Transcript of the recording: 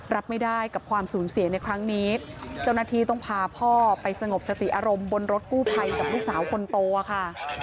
รับไม่ได้กับความสูญเสียในครั้งนี้เจ้าหน้าที่ต้องพาพ่อไปสงบสติอารมณ์บนรถกู้ภัยกับลูกสาวคนโตค่ะ